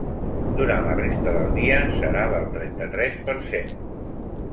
Durant la resta del dia serà del trenta-tres per cent.